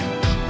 ini kecil nih